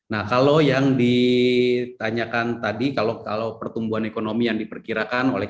nah kalau yang ditanyakan tadi kalau pertumbuhan ekonomi yang diperkirakan oleh